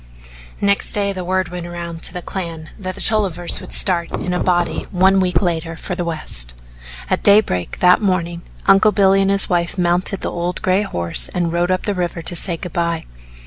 Next day the word went round to the clan that the Tollivers would start in a body one week later for the West. At daybreak, that morning, Uncle Billy and his wife mounted the old gray horse and rode up the river to say good by.